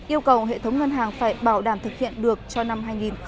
yêu cầu hệ thống ngân hàng phải bảo đảm thực hiện được cho năm hai nghìn một mươi chín